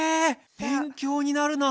勉強になるな。